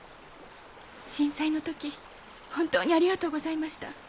震災の時本当にありがとうございました。